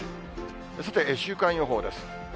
さて、週間予報です。